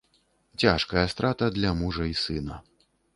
Цяжкая страта для мужа і сына.